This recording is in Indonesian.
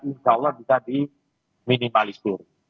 insya allah bisa diminimalisir